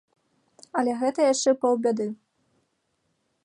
Але гэта яшчэ паўбяды.